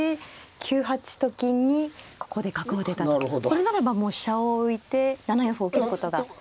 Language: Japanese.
これならばもう飛車を浮いて７四歩を受けることができないと。